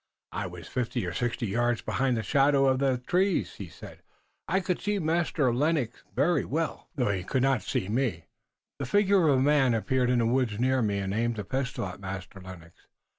"I was fifty or sixty yards behind in the shadow of the trees," he said. "I could see Master Lennox very well, though he could not see me. The figure of a man appeared in the woods near me and aimed a pistol at Master Lennox.